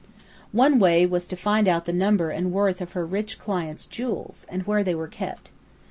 One way was to find out the number and worth of her rich clients' jewels, and where they were kept.